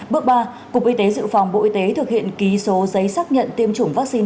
bước ba cục y tế dự phòng bộ y tế thực hiện ký số giấy xác nhận tiêm chủng vaccine